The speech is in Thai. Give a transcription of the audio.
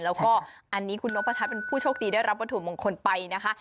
แล้วก็อันนี้คุณนกประทัดเป็นผู้โชคดีได้รับวัตถุมงคลไปนะคะ